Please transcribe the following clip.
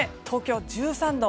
東京１３度。